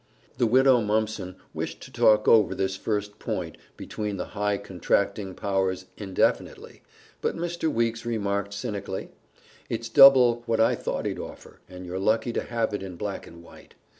The widow Mumpson wished to talk over this first point between the high contracting powers indefinitely, but Mr. Weeks remarked cynically, "It's double what I thought he'd offer, and you're lucky to have it in black and white.